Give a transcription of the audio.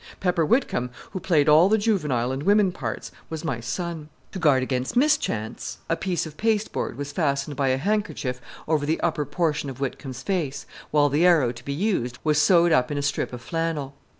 Pepper Whitcomb, who played all the juvenile and women parts, was my son. To guard against mischance, a piece of pasteboard was fastened by a handkerchief over the upper portion of Whitcomb's face, while the arrow to be used was sewed up in a strip of flannel.